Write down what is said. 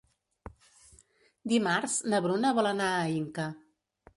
Dimarts na Bruna vol anar a Inca.